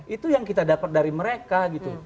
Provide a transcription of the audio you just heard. itu yang kita dapat dari mereka gitu